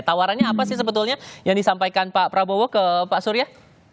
tawarannya apa sih sebetulnya yang disampaikan pak prabowo ke pak surya